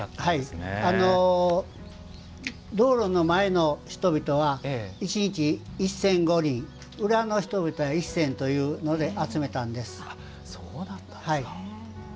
道路の前の人々は１日１銭５厘、裏の人々は１銭というので集めたんです。